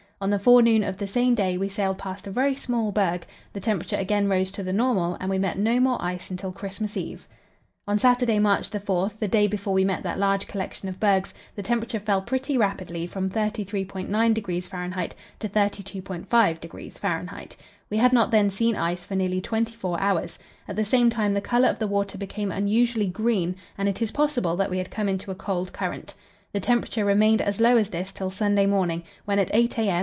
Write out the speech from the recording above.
On the forenoon of the same day we sailed past a very small berg; the temperature again rose to the normal, and we met no more ice until Christmas Eve. On Saturday, March 4, the day before we met that large collection of bergs, the temperature fell pretty rapidly from 33.9° F. to 32.5° F. We had not then seen ice for nearly twenty four hours. At the same time the colour of the water became unusually green, and it is possible that we had come into a cold current. The temperature remained as low as this till Sunday morning, when at 8 a. m.